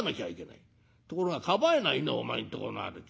ところがかばえないんだお前んとこのあるじ。